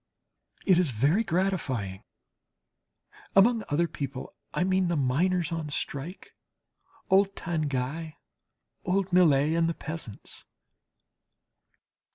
It is very gratifying (among "other people," I mean, the miners on strike, old Tanguy, old Millet, and the peasants).